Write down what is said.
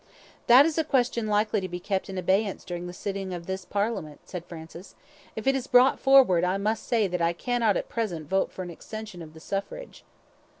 "That is a question likely to be kept in abeyance during the sitting of this parliament," said Francis. "If it is brought forward I must say that I cannot at present vote for extension of the suffrage."